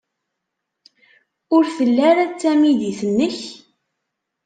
Ur tella ara d tamidit-nnek?